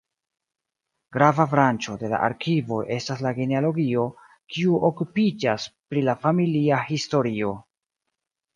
Grava branĉo de la arkivoj estas la genealogio, kiu okupiĝas pri la familia historio.